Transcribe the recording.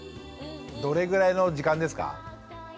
どれぐらいの時間ですか？